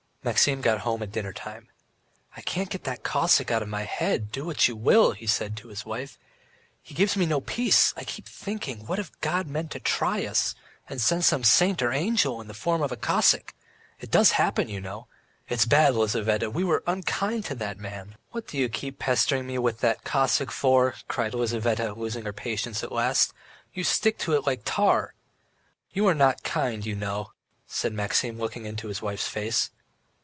Maxim got home at dinner time. "I can't get that Cossack out of my head, do what you will!" he said to his wife. "He gives me no peace. I keep thinking: what if God meant to try us, and sent some saint or angel in the form of a Cossack? It does happen, you know. It's bad, Lizaveta; we were unkind to the man!" "What do you keep pestering me with that Cossack for?" cried Lizaveta, losing patience at last. "You stick to it like tar!" "You are not kind, you know ..." said Maxim, looking into his wife's face.